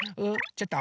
ちょっと。